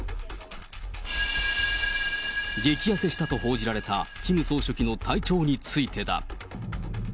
激痩せしたと報じられた、キム総書記の体調についてだ。